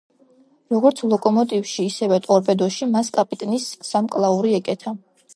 როგორც ლოკომოტივში, ისევე ტორპედოში მას კაპიტნის სამკლაური ეკეთა.